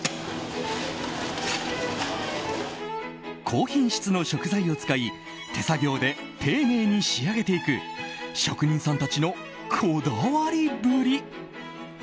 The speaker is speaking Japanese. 高品質の食材を使い手作業で丁寧に仕上げていく職人さんたちのこだわりぶり。